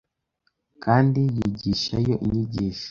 Kandi yigishayo inyigisho